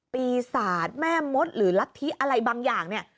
ปีศาจแม่มดหรือรัฐธิอะไรบางอย่างเนี่ย